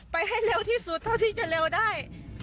ให้เร็วที่สุดเท่าที่จะเร็วได้